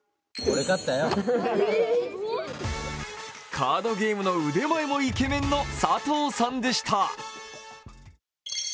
カードゲームの腕前もイケメンの佐藤さんでした。